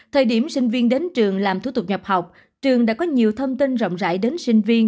thời điểm sinh viên đến trường làm thú tục nhập học trường đã có nhiều thông tin rộng rãi đến sinh viên